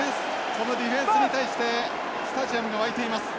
このディフェンスに対してスタジアムが沸いています。